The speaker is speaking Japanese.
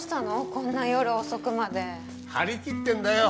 こんな夜遅くまで張り切ってんだよ